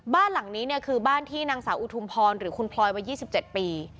บ้านหลังนี้เนี่ยคือบ้านที่นางสาวอุทุมพรหรือคุณพลอยวัย๒๗ปี